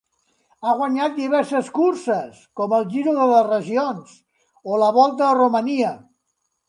Ha guanyat diverses curses com el Giro de les Regions o la Volta a Romania.